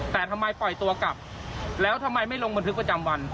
แต่ทำไมปล่อยตัวกลับแล้วทำไมไม่ลงบันทึกประจำวัน